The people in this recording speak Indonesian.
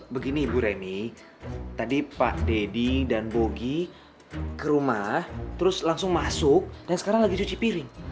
begini ibu reni tadi pak deddy dan bogi ke rumah terus langsung masuk dan sekarang lagi cuci piring